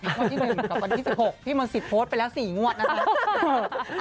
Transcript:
งวดที่๑กับวันที่๑๖พี่มนต์สิทธิโพสต์ไปแล้ว๔งวดนะคะ